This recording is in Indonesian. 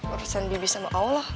urusan bibi sama allah